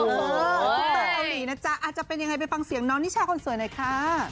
ซุปตาเกาหลีนะจ๊ะอาจจะเป็นยังไงไปฟังเสียงน้องนิชาคนสวยหน่อยค่ะ